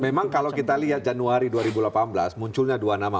memang kalau kita lihat januari dua ribu delapan belas munculnya dua nama